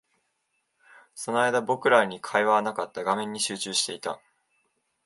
その間、僕らに会話はなかった。画面に集中していた。